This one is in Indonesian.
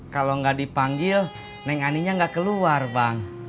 kalau nggak dipanggil neng aninya nggak keluar bang